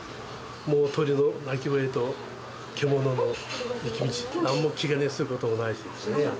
もう鳥の鳴き声と、獣の行き道、なんも気兼ねすることもないですね。